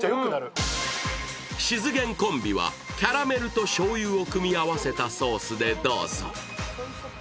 しずげんコンビは、キャラメルとしょうゆを組み合わせたソースでどうぞ。